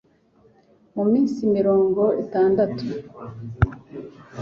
mu minsi mirongo itandatu